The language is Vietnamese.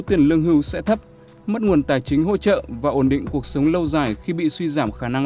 tiền lương hưu sẽ thấp mất nguồn tài chính hỗ trợ và ổn định cuộc sống lâu dài khi bị suy giảm khả năng